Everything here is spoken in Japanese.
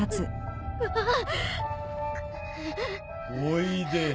おいで。